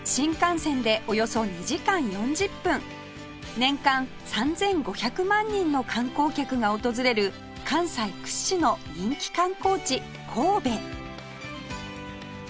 年間３５００万人の観光客が訪れる関西屈指の人気観光地神戸